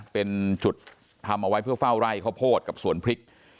เป็นจุดทำเอาไว้เพื่อเฝ้าไร่ข้าวโพดกับสวนพริก